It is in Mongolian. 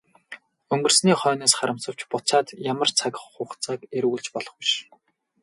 Өнгөрсний хойноос харамсавч буцаад ямар цаг хугацааг эргүүлж болох биш.